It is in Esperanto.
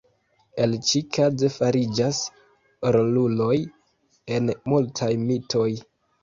El ĉi-kaze fariĝas roluloj en multaj mitoj.